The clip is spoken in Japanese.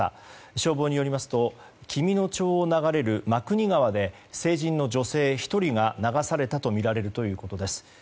消防によりますと紀美野町を流れる真国川で成人の女性１人が流されたとみられるということです。